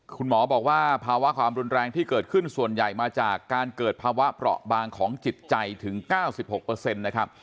คุณหมอบอกว่าภาวะความรุนแรงที่เกิดขึ้นส่วนใหญ่มาจากการเกิดภาวะเปราะบางของจิตใจถึง๙๖นะครับ